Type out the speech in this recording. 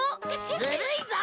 ずるいぞ！